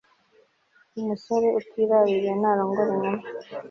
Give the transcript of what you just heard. umusore utiraririye ntarongora inkumi